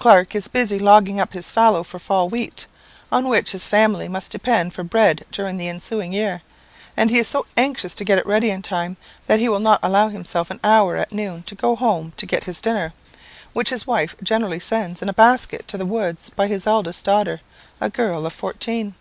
Clark is busy logging up his fallow for fall wheat, on which his family must depend for bread during the ensuing year; and he is so anxious to get it ready in time, that he will not allow himself an hour at noon to go home to get his dinner, which his wife generally sends in a basket to the woods by his eldest daughter, a girl of fourteen.